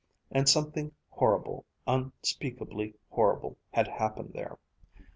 And something horrible, unspeakably horrible had happened there.